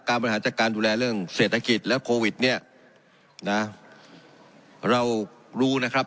บริหารจัดการดูแลเรื่องเศรษฐกิจและโควิดเนี่ยนะเรารู้นะครับ